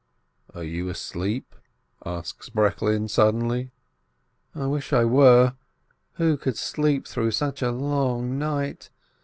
"Are you asleep?" asks Breklin, suddenly. "I wish I were ! Who could sleep through such a long night?